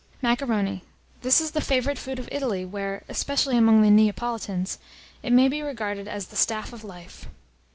] MACARONI. This is the favourite food of Italy, where, especially among the Neapolitans, it may be regarded as the staff of life.